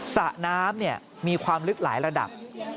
สระน้ำมีความลึกหลายระดับ